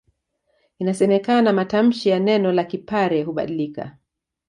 Inasemekana matamshi ya neno la Kipare hubadilika